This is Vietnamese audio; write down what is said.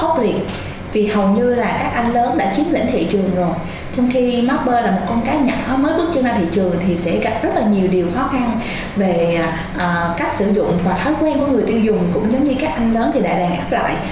còn như là các anh lớn đã chiếm lĩnh thị trường rồi trong khi mopper là một con cái nhỏ mới bước chân ra thị trường thì sẽ gặp rất là nhiều điều khó khăn về cách sử dụng và thói quen của người tiêu dùng cũng như các anh lớn thì đã đàn áp lại